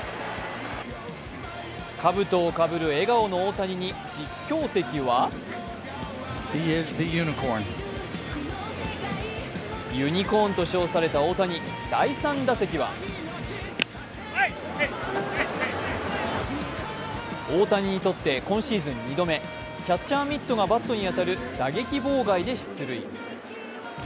かぶとをかぶる笑顔の大谷に実況席はユニコーンと称された大谷、第３打席は大谷にとって今シーズン２度目キャッチャーミットがバットに当たる打撃妨害で出塁。